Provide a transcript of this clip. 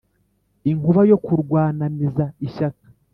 Inkuba yo kurwanamiza ishyaka